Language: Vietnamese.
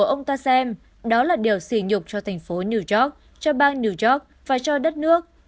ông ta xem đó là điều xì nhục cho thành phố new york cho bang new york và cho đất nước